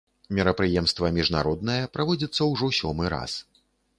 Мерапрыемства міжнароднае, праводзіцца ўжо сёмы раз.